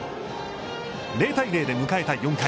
０対０で迎えた４回。